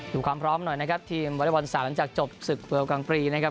ความพร้อมหน่อยนะครับทีมวอเล็กบอลสาวหลังจากจบศึกเวลกลางฟรีนะครับ